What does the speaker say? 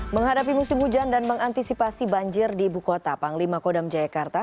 menghadapi musim hujan dan mengantisipasi banjir di ibu kota panglima kodam jayakarta